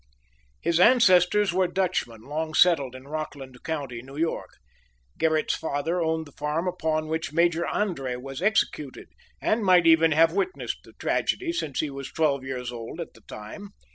His ancestors were Dutchmen, long settled in Rockland County, New York. Gerrit's father owned the farm upon which Major André was executed, and might even have witnessed the tragedy, since he was twelve years old at the time.